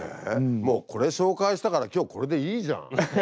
もうこれ紹介したから今日これでいいじゃん。